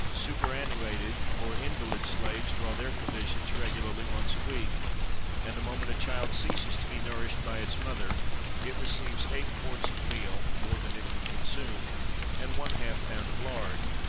Superannuated or invalid slaves draw their provisions regularly once a week; and the moment a child ceases to be nourished by its mother, it receives eight quarts of meal (more than it can consume), and one half pound of lard.